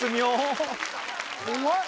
うまい！